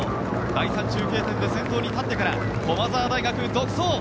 第３中継点で先頭に立ってから駒澤大学、独走。